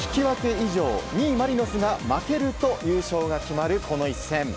以上２位マリノスが負けると優勝が決まる、この一戦。